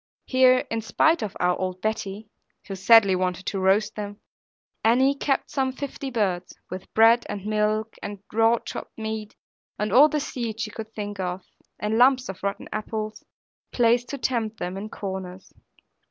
Here, in spite of our old Betty (who sadly wanted to roast them), Annie kept some fifty birds, with bread and milk, and raw chopped meat, and all the seed she could think of, and lumps of rotten apples, placed to tempt them, in the corners.